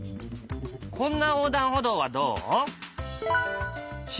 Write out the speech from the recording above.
こんな横断歩道はどう？